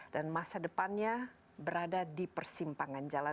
dan masa depannya berada di persimpangan jalan